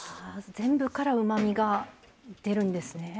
全部からうまみが出るんですね。